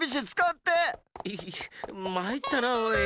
イヒッまいったなおい。